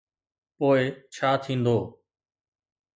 پوءِ ڇا ٿيندو؟